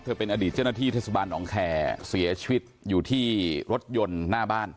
เป็นอดีตเจ้าหน้าที่เทศบาลหนองแคร์เสียชีวิตอยู่ที่รถยนต์หน้าบ้าน